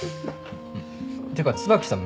てか椿さん